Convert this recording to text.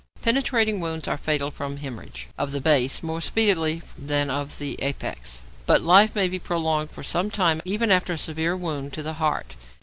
= Penetrating wounds are fatal from hæmorrhage, of the base more speedily than of the apex; but life may be prolonged for some time even after a severe wound to the heart.